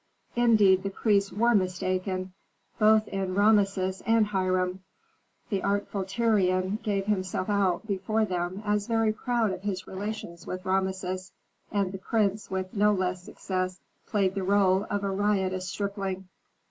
Indeed the priests were mistaken, both in Rameses and Hiram. The artful Tyrian gave himself out before them as very proud of his relations with Rameses, and the prince with no less success played the rôle of a riotous stripling.